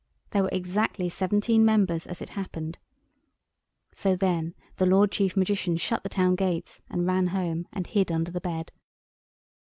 There were exactly seventeen members, as it happened. So then the Lord Chief Magician shut the town gates and ran home and hid under the bed.